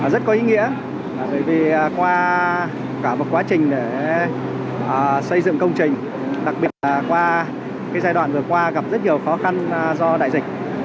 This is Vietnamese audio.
rất có ý nghĩa bởi vì qua cả một quá trình để xây dựng công trình đặc biệt là qua giai đoạn vừa qua gặp rất nhiều khó khăn do đại dịch